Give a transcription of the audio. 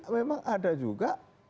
memang ada juga